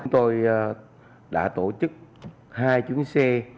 tôi đã tổ chức hai chuyến xe